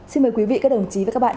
xin mời quý vị các đồng chí và các bạn